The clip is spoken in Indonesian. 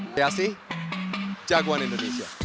sri asi jagoan indonesia